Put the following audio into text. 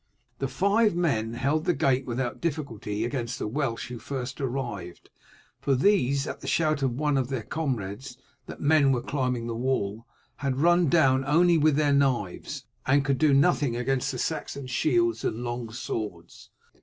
The five men held the gate without difficulty against the Welsh who first arrived, for these, at the shout of one of their comrades that men were climbing the wall, had run down only with their knives, and could do nothing against the Saxon shields and long swords.